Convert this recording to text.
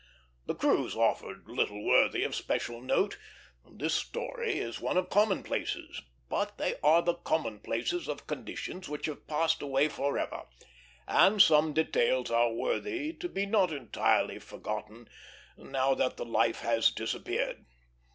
The cruise offered little worthy of special note. This story is one of commonplaces; but they are the commonplaces of conditions which have passed away forever, and some details are worthy to be not entirely forgotten, now that the life has disappeared.